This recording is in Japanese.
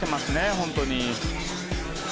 本当に。